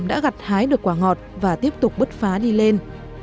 đã gặt hái được quả ngọt và tiếp tục bứt phá đi lên